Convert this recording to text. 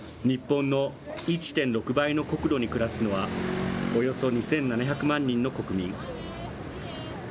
日本の１．６倍の国土に暮らすのは、およそ２７００万人の国民。